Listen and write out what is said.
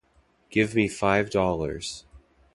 Give me five dollars.